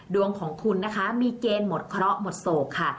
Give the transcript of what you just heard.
ดวงของคุณนะคะมีเกณฑ์หมดเคราะห์หมดโศกค่ะ